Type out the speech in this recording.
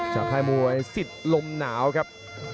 ค่ายมวยสิทธิ์ลมหนาวครับ